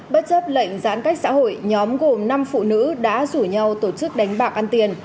bất chấp lệnh giãn cách xã hội nhóm gồm năm phụ nữ đã rủ nhau tổ chức đánh bạc ăn tiền